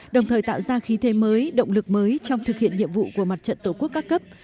đồng thời tạo ra khí thế mới động lực mới trong thực hiện nhiệm vụ của mặt trận tổ quốc các cấp